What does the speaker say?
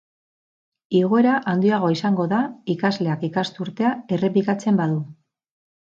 Igoera handiagoa izango da ikasleak ikasturtea errepikatzen badu.